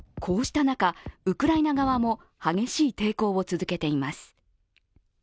こうした中、ウクライナ側も激しい抵抗を続けています。